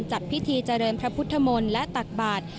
จัดพิธีเจริญพระพุทธมนตร์และตักบาท